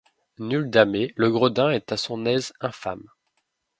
Nul damer. Le gredin est à son aise infâme ;